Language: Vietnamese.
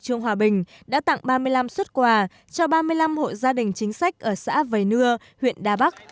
chính phủ bình đã tặng ba mươi năm xuất quà cho ba mươi năm hội gia đình chính sách ở xã vầy nưa huyện đa bắc